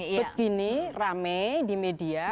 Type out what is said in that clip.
abis ribet begini rame di media